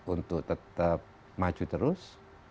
untuk tetap maju terus